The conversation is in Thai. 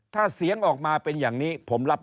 ถ้าเสียงออกมาเป็นอย่างนี้ผมรับ